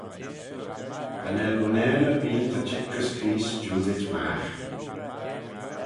Cha nel unnane erbee ta çheet gys Creest jiooldit magh.